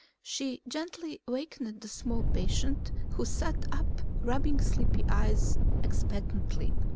She gently wakened the small patient, who sat up rubbing sleepy eyes expectantly.